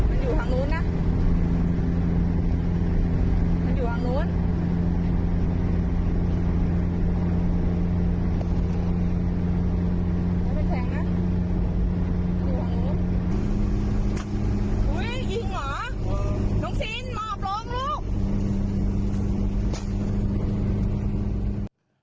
อุ้ยยยยยยยหญิงเหรอน้องชินหมอบลงลูก